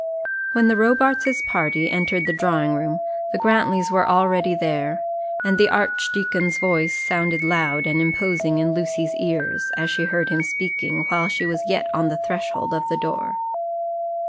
When the Robarts's party entered the drawing room the Grantlys were already there, and the archdeacon's voice sounded loud and imposing in Lucy's ears, as she heard him speaking while she was yet on the threshold of the door.